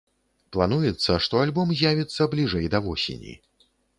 Плануецца, што альбом з'явіцца бліжэй да восені.